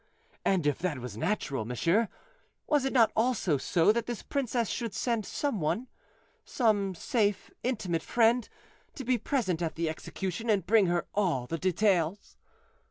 And if that was natural, monsieur, was it not also so, that this princess should send some one, some safe, intimate friend, to be present at the execution, and bring her all the details?